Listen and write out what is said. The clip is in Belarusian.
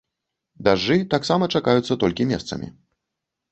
Дажджы таксама чакаюцца толькі месцамі.